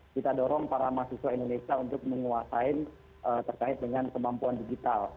kita dorong para mahasiswa indonesia untuk menguasai terkait dengan kemampuan digital